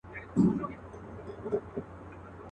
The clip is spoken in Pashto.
زموږ د تاریخ د اتلانو وطن.